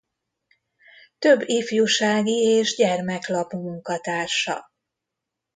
Több ifjúsági és gyermeklap munkatársa.